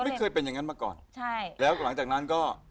ไม่เคยเป็นอย่างนั้นมาก่อนใช่แล้วหลังจากนั้นก็